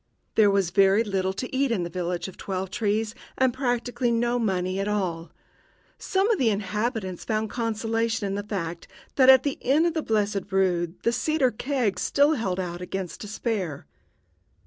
There was very little to eat in the village of Twelve trees, and practically no money at all. Some of the inhabitants found consolation in the fact that at the Inn of the Blessed Rood the cider kegs still held out against despair.